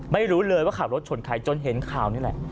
ไม่รู้เลยว่าขับรถชนใครจนเห็นข่าวนี่แหละ